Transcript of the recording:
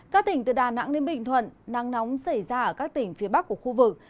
các tỉnh từ đà nẵng đến bình thuận nắng nóng xảy ra ở các tỉnh phía bắc của khu vực